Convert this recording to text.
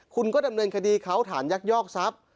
คุณก็ดำเนินคดีเขาฐานยักยอกทรัพย์